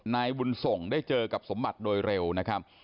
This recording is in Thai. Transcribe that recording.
นายบุญส่งได้เจอกับสมบัติโดยเร็วนะครับ